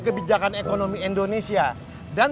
kebijakan ekonomi indonesia dan